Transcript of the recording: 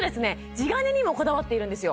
地金にもこだわっているんですよ